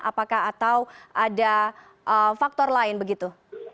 apakah atau ada faktor lain begitu